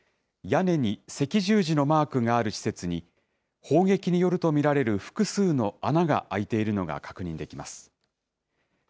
屋根に赤十字のマークがある施設に、砲撃によると見られる複数の穴が開いているのが確認できます。